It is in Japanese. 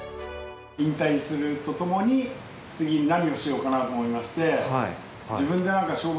引退するとともに次何をしようかなと思いまして。